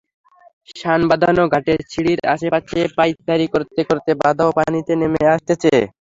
শানবাঁধানো ঘাটের সিঁড়ির আশপাশে পায়চারি করতে করতে বাবাও পানিতে নেমে আসতেন।